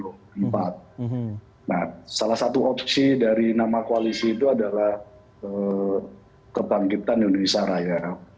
nah salah satu opsi dari nama koalisi itu adalah kebangkitan indonesia raya